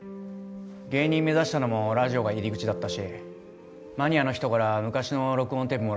芸人目指したのもラジオが入り口だったしマニアの人から昔の録音テープもらったりして。